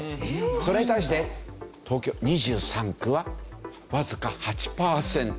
それに対して東京２３区はわずか８パーセント。